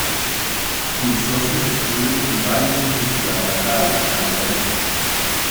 Cursó sus estudios primarios en su ciudad natal, San Lorenzo.